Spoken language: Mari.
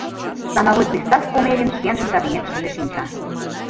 Становой пристав Комелин шкенжын кабинетыштыже шинча.